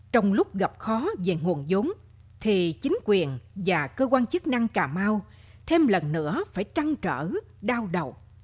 trong lúc gặp khó về nguồn giống thì chính quyền và cơ quan chức năng cà mau thêm lần nữa phải trăng trở đau đầu